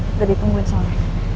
nanti ditungguin soalnya